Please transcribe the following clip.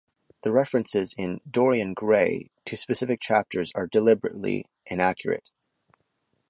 The references in "Dorian Gray" to specific chapters are deliberately inaccurate.